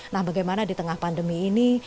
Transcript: nah bagaimana di tengah pandemi ini